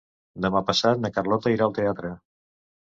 Demà passat na Carlota irà al teatre.